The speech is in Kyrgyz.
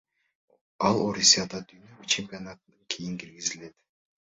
Ал Орусиядагы дүйнө чемпионатынан кийин киргизилет.